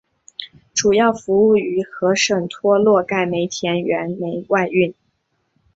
主要服务于和什托洛盖煤田原煤外运。